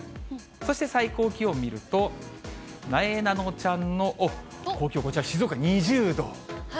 そして最高気温見ると、なえなのちゃんの故郷、こちら静岡２０度。